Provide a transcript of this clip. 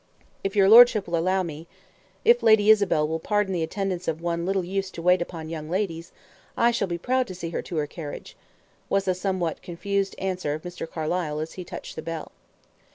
"If your lordship will allow me if Lady Isabel will pardon the attendance of one little used to wait upon young ladies, I shall be proud to see her to her carriage," was the somewhat confused answer of Mr. Carlyle as he touched the bell.